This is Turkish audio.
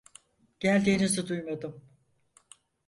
Geldiğinizi duymadım.